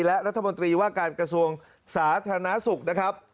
และรัฐมนตรีว่าการกระทรวงสาธารณสุขนะครับ